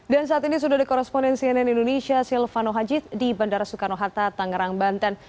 dan saat ini sudah dikoresponin cnn indonesia silvano haji di bandara soekarno hatta tanggerang banten